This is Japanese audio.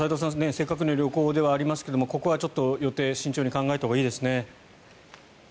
せっかくの旅行ではありますがここは予定慎重に考えたほうがいいですね。